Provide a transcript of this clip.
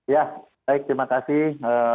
ya baik terima kasih